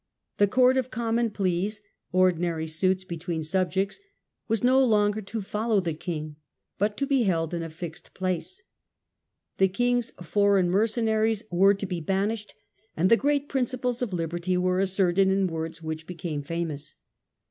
The Court of Common Pleas (ordinary suits between subjects) was no longer to follow the king, but to be held in a fixed place. The king's foreign mercenaries were to MAGNA CARTA. 57 be banished. And the great principles of liberty were asserted in words which became famous.